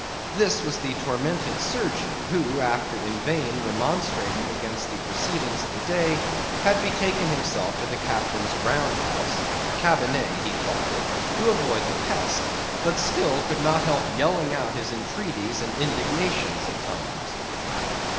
This was the tormented surgeon, who, after in vain remonstrating against the proceedings of the day, had betaken himself to the Captain's round house (cabinet he called it) to avoid the pest; but still, could not help yelling out his entreaties and indignations at times.